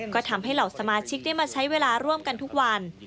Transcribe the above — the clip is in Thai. ก็ทำให้เหล่าสมาชิกได้มาใช้เวลาร่วมกันทุกวัน